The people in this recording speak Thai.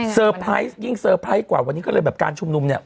สเตอร์ไพรส์ยิ่งสเตอร์ไพรส์กว่าวันนี้ก็เลยการชุมนุม